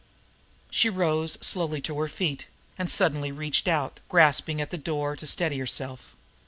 She rose slowly to her feet and suddenly reached out, grasping at the door to steady herself.